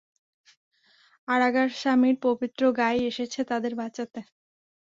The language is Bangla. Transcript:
আড়াগারসামীর পবিত্র গাই এসেছে তাদের বাঁচাতে।